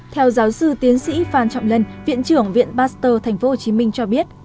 theo giáo sư tiến sĩ phan trọng lân viện trưởng viện pasteur tp hcm cho biết